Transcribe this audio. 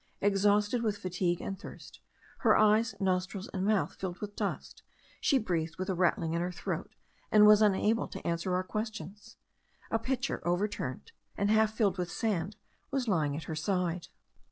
Exhausted with fatigue and thirst, her eyes, nostrils, and mouth filled with dust, she breathed with a rattling in her throat, and was unable to answer our questions. A pitcher, overturned, and half filled with sand, was lying at her side.